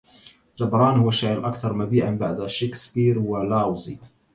جبران هو الشاعر الأكثر مبيعًا بعد شكسبير ولاوزي